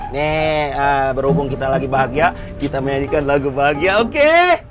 nih berhubung kita lagi bahagia kita menyanyikan lagu bahagia oke